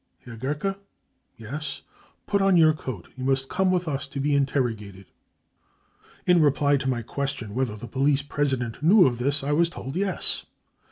£ Herr Gerke ? 5 £ Yes.' £ Put on your coat. You must come with us to be in terrogated.' In reply to my question whether the police president knew of this, I was told £ Yes.